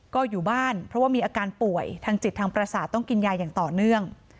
ก็อยู่บ้านเพราะว่ามีอาการป่วยทางจิตทางประสาทต้องกินยาอย่างต่อเนื่อง